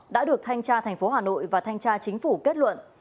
đã được thanh tra thành phố hà nội và thanh tra chính phủ kết luận